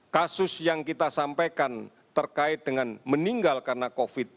kasus yang kita sampaikan terkait dengan meninggal karena covid sembilan belas